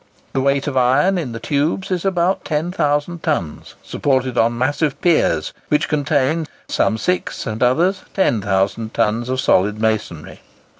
The weight of iron in the tubes is about ten thousand tons, supported on massive piers, which contain, some six, and others ten thousand tons of solid masonry.